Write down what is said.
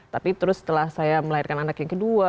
tapi terus setelah saya melahirkan anak yang kedua